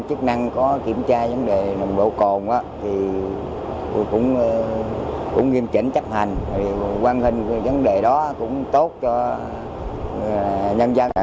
cảnh sát đường thủy cũng nghiêm trình chấp hành quan hình vấn đề đó cũng tốt cho nhân dân